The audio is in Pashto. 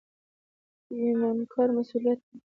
پیمانکار مسوولیت لري